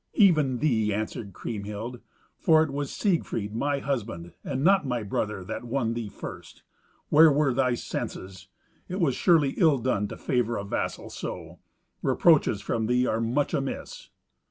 "Even thee," answered Kriemhild. "For it was Siegfried my husband, and not my brother, that won thee first. Where were thy senses? It was surely ill done to favor a vassal so. Reproaches from thee are much amiss."